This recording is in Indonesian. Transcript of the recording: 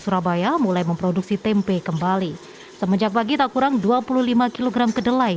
surabaya mulai memproduksi tempe kembali semenjak pagi tak kurang dua puluh lima kg kedelai